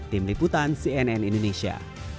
tim liputan cnn indonesia